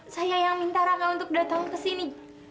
saya yang minta raka untuk datang kesini